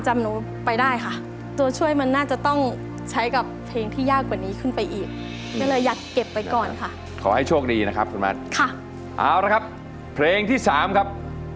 ไม่ใช้นะครับ